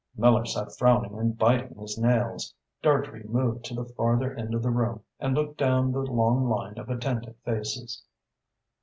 Miller sat frowning and biting his nails. Dartrey moved to the farther end of the room and looked down the long line of attentive faces.